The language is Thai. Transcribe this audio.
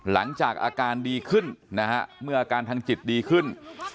หลังจากอาการดีขึ้นมันอาการทางจิตดีขึ้น